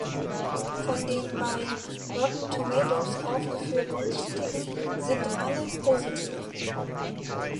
Von den bei Rotten Tomatoes aufgeführten Kritiken sind alle positiv.